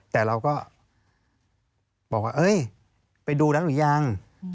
แต่เราก็บอกว่าไปดูแล้วหรือยัง